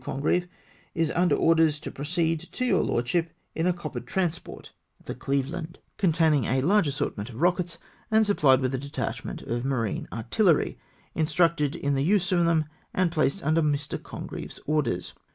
Congreve) is under orders to pro ceed to your lordship in a coppered transport (the Cleveland), PREPARATIONS FOR ATTACK. 349 containing a large assortment of rockets, and supplied with a detachment of marine ai'tillery, instructed in the use of them, and placed under Mr. Congreve's orders.